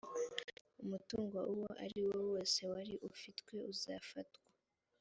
umutungo uwo ariwo wose wari ufitwe uzafatwa